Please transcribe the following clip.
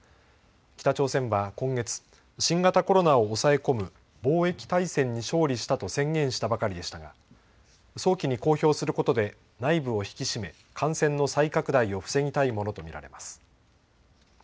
北朝鮮は今月、新型コロナを抑え込む防疫大戦に勝利したと宣言したばかりでしたが早期に公表することで内部を引き締め感染の再拡大を防ぎたいものと見られます。